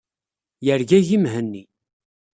Yergagi Mhenni.